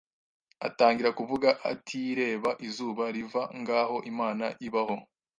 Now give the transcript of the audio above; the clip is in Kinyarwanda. atangira kuvuga atireba izuba riva ngaho Imana ibaho